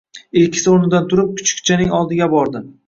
Ilkis o`rnidan turib, kuchukchaning oldiga bordi